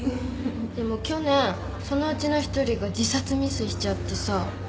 でも去年そのうちの１人が自殺未遂しちゃってさ。